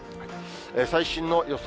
最新の予想